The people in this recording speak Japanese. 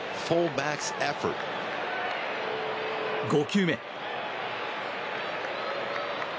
５球目。